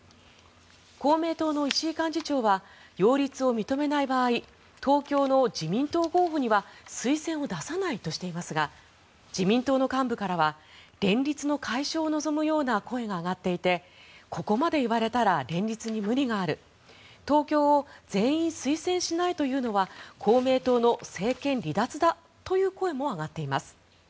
公明党の石井幹事長は擁立を認めない場合東京の自民党候補には推薦を出さないとしていますが自民党の幹部からは連立の解消を望むような声が上がっていてここまで言われたら連立に無理がある東京を全員推薦しないというのは公明党の政権離脱だという声も上がっています。